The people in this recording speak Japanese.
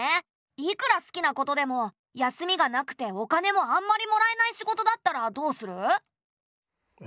いくら好きなことでも休みがなくてお金もあんまりもらえない仕事だったらどうする？え？